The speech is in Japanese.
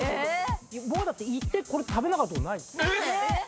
僕だって行ってこれ食べなかったことないですよ。